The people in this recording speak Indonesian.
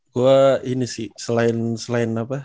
gue ini sih selain apa